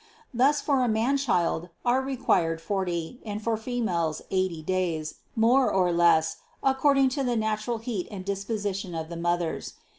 Thus for a man child are required forty and for females eighty days, more or less, according to the natural heat and disposi tion of the mothers.